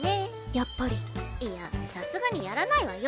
やっぱりいやさすがにやらないわよ